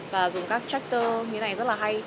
và dùng các tractor như thế này rất là hay